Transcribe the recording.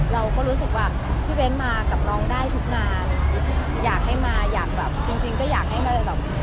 เราก็รู้สึกว่าพี่เบ้นมากับน้องได้ทุกงานอยากให้มาอยากแบบจริงจริงก็อยากให้มาเลยแบบ